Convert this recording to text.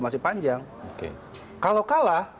masih panjang kalau kalah